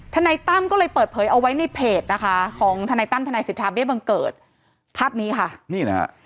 นายตั้มก็เลยเปิดเผยเอาไว้ในเพจนะคะของทนายตั้มทนายสิทธาเบี้ยบังเกิดภาพนี้ค่ะนี่นะฮะ